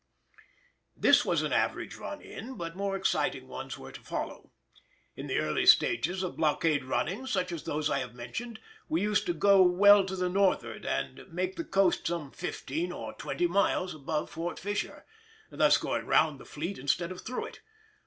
This was an average run in, but more exciting ones were to follow. In the earlier stages of blockade running, such as those I have mentioned, we used to go well to the northward and make the coast some fifteen or twenty miles above Fort Fisher, thus going round the fleet instead of through it.